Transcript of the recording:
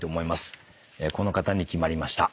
この方に決まりました。